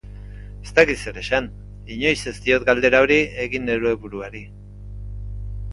Ez dakit zer esan, inoiz ez diot galdera hori egin neure buruari.